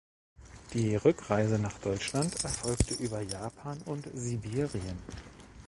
Die Rückreise nach Deutschland erfolgte über Japan und Sibirien.